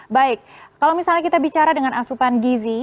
baik kalau misalnya kita bicara dengan asupan gizi